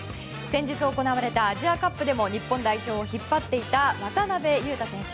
先日行われたアジアカップでも日本代表を引っ張っていた渡邊雄太選手。